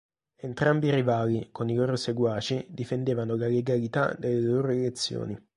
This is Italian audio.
Entrambi i rivali, con i loro seguaci, difendevano la legalità delle loro elezioni.